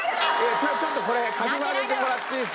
ちょっとこれかき混ぜてもらっていいですか？